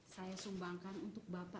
saya sumbangkan untuk bapak